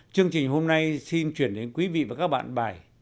chương trình hôm nay xin chuyển đến quý vị và các bạn bài